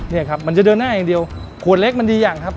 เนี่ยครับมันจะเดินหน้าอย่างเดียวขวดเล็กมันดีอย่างครับ